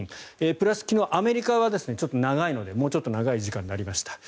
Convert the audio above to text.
プラス昨日、アメリカはちょっと長いのでもうちょっと長い時間になりました。